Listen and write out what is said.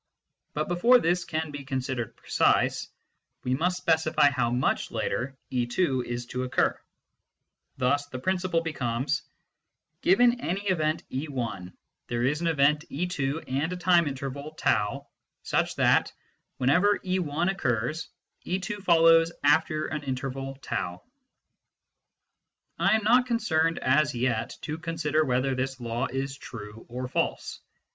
"] But before this can be considered precise, we must specify how much later e t is to occur. Thus the principle be comes :( Given any event e lt there is an event 2 and a time interval T such that, whenever e l occurs, d 2 follows after an interval r . J I am not concerned as yet to consider whether this law is true or false.